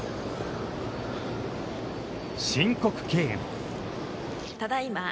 申告敬遠。